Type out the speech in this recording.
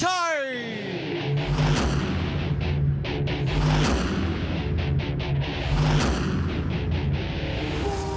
เมื่อหายเส้นรายงานจากแลนด์